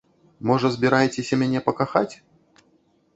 Можа, збіраецеся мяне пакахаць?